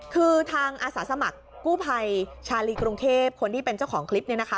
คือทางอาสาสมัครกู้ภัยชาลีกรุงเทพคนที่เป็นเจ้าของคลิปเนี่ยนะคะ